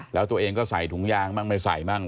แล้วตัวเองก็ใส่ถุงยางบ้างไม่ใส่บ้าง